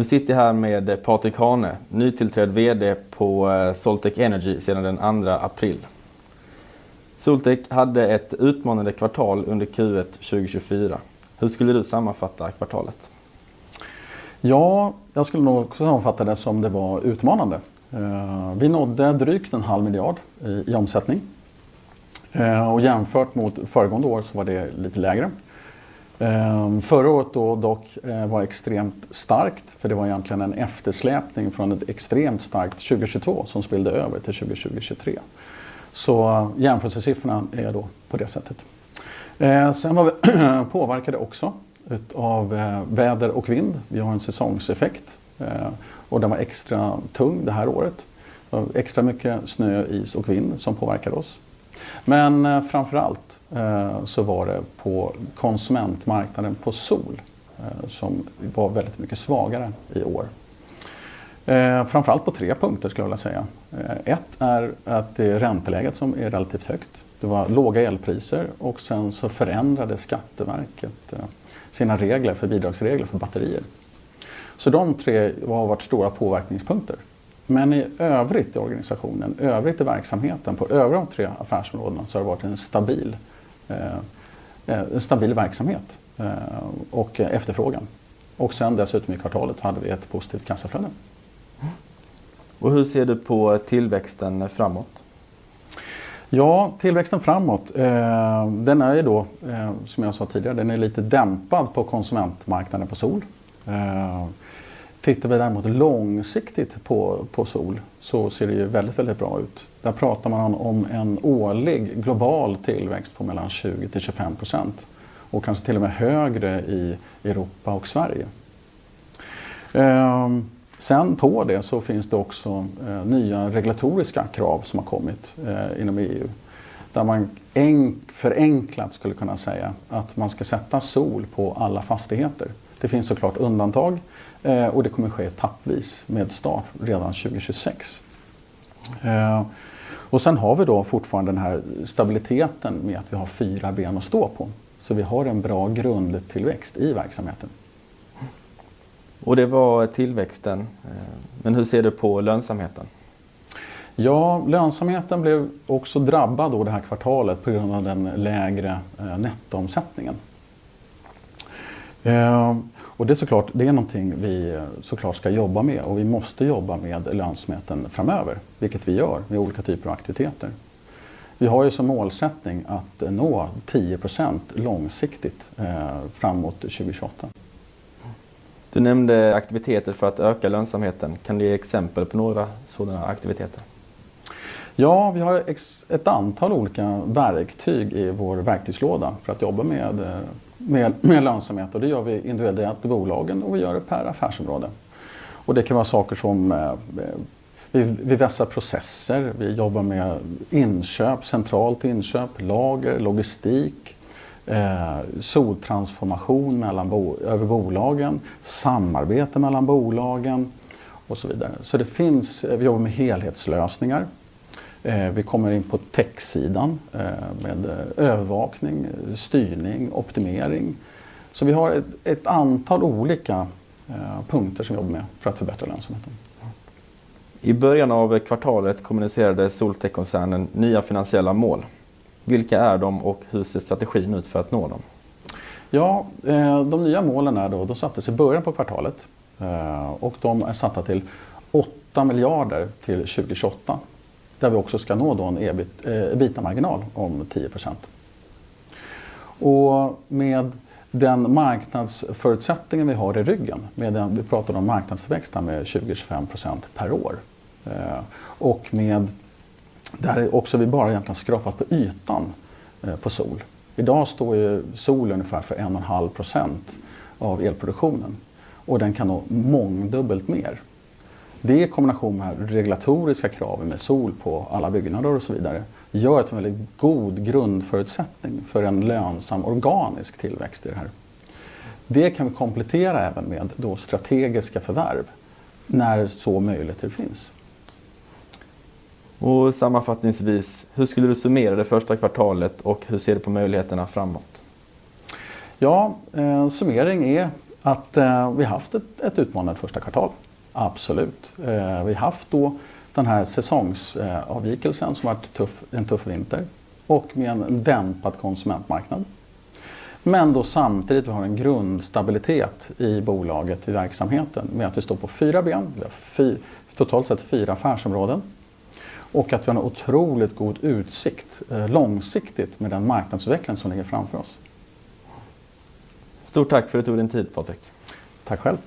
Nu sitter jag här med Patrik Hahne, nytillträdd VD på Soltech Energy sedan den 2 april. Soltech hade ett utmanande kvartal under Q1 2024. Hur skulle du sammanfatta kvartalet? Ja, jag skulle nog sammanfatta det som det var utmanande. Vi nådde drygt SEK 0.5 billion i omsättning. Jämfört mot föregående år så var det lite lägre. Förra året då dock var extremt starkt, för det var egentligen en eftersläpning från ett extremt starkt 2022 som spillde över till 2023. Jämförelsesiffrorna är då på det sättet. Vi var påverkade också utav väder och vind. Vi har en säsongseffekt, och den var extra tung det här året. Extra mycket snö, is och vind som påverkade oss. Men framför allt, så var det på konsumentmarknaden på sol, som var väldigt mycket svagare i år. Framför allt på 3 punkter skulle jag vilja säga. One är att det är ränteläget som är relativt högt. Det var låga elpriser och sen så förändrade Skatteverket sina regler för bidragsregler för batterier. De 3 har varit stora påverkanspunkter. I övrigt i organisationen, i övrigt i verksamheten, på övriga tre affärsområden, så har det varit en stabil, en stabil verksamhet, och efterfrågan. Sen dessutom i kvartalet hade vi ett positivt kassaflöde. Hur ser du på tillväxten framåt? Tillväxten framåt, den är ju då, som jag sa tidigare, den är lite dämpad på konsumentmarknaden på sol. Tittar vi däremot långsiktigt på, på sol så ser det ju väldigt, väldigt bra ut. Där pratar man om en årlig global tillväxt på mellan 20%-25% och kanske till och med högre i Europa och Sverige. På det så finns det också nya regulatoriska krav som har kommit inom EU, där man förenklat skulle kunna säga att man ska sätta sol på alla fastigheter. Det finns så klart undantag, och det kommer att ske etappvis med start redan 2026. Vi har då fortfarande den här stabiliteten med att vi har fyra ben att stå på, så vi har en bra grund till växt i verksamheten. Det var tillväxten. Hur ser du på lönsamheten? Ja, lönsamheten blev också drabbad då det här kvartalet på grund av den lägre nettoomsättningen. Det så klart, det är någonting vi så klart ska jobba med och vi måste jobba med lönsamheten framöver, vilket vi gör med olika typer av aktiviteter. Vi har ju som målsättning att nå 10% långsiktigt framåt 2028. Du nämnde aktiviteter för att öka lönsamheten. Kan du ge exempel på några sådana aktiviteter? Ja, vi har ett antal olika verktyg i vår verktygslåda för att jobba med, med lönsamhet. Det gör vi individuellt i bolagen och vi gör det per affärsområde. Det kan vara saker som... Vi vässar processer, vi jobbar med inköp, centralt inköp, lager, logistik, soltransformation mellan över bolagen, samarbete mellan bolagen och så vidare. Det finns, vi jobbar med helhetslösningar. Vi kommer in på tech sidan med övervakning, styrning, optimering. Vi har ett antal olika punkter som vi jobbar med för att förbättra lönsamheten. I början av kvartalet kommunicerade Soltech-koncernen nya finansiella mål. Vilka är de och hur ser strategin ut för att nå dem? Ja, de nya målen är då, de sattes i början på kvartalet och de är satta till SEK 8 billion till 2028, där vi också ska nå då en EBITDA-marginal om 10%. Med den marknadsförutsättningen vi har i ryggen, vi pratar om marknadstillväxt med 20%-25% per år. Där har också vi bara egentligen skrapat på ytan på sol. I dag står ju sol ungefär för 1.5% av elproduktionen och den kan nå mångdubbelt mer. Det i kombination med regulatoriska kraven med sol på alla byggnader och så vidare, gör att en väldigt god grundförutsättning för en lönsam organisk tillväxt i det här. Det kan vi komplettera även med då strategiska förvärv, när så möjlighet det finns. Sammanfattningsvis, hur skulle du summera det första kvartalet och hur ser du på möjligheterna framåt? Ja, summering är att vi haft ett utmanat första kvartal. Absolut. Vi haft då den här säsongsavvikelsen som varit tuff, en tuff vinter och med en dämpad konsumentmarknad. Då samtidigt, vi har en grundstabilitet i bolaget, i verksamheten, med att vi står på fyra ben, vi har totalt sett fyra affärsområden och att vi har en otroligt god utsikt, långsiktigt med den marknadsutvecklingen som ligger framför oss. Stort tack för att du tog din tid, Patrik! Tack själv.